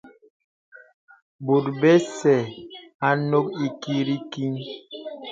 Bòt bəsà à nók īkori kiŋ.